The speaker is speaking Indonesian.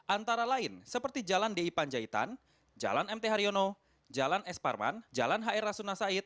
antara lain seperti jalan di panjaitan jalan mt haryono jalan s parman jalan hr rasuna said